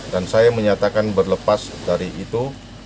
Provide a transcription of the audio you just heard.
dan saya menyatakan berlepas dari itu